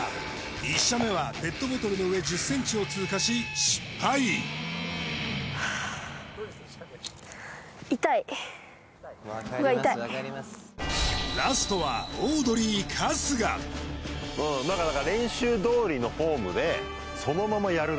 １射目はペットボトルの上１０ｃｍを通過し失敗ラストはいくか